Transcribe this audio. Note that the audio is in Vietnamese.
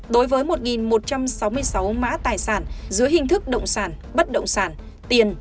đối với một một trăm sáu mươi sáu mã tài sản dưới hình thức động sản bất động sản tiền